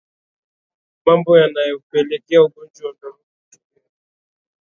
Mambo yanayopelekea ugonjwa wa ndorobo kutokea